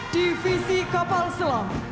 divisi kapal semarang